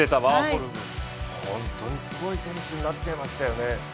ホントにすごい選手になっちゃいましたよね。